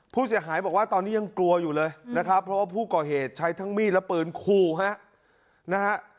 ผู้เสียหายบอกว่าตอนนี้ยังกลัวอยู่เลยนะครับเพราะว่าผู้ก่อเหตุใช้ทั้งมีดและปืนคู่ฮะนะฮะ